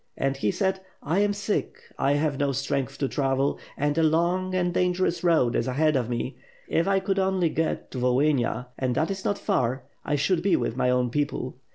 And he said 'I am sick, I have no strength to travel, and a long and dangerous road is ahead of me. If could only get to Volhynia — and that is not far, I should be with my own people.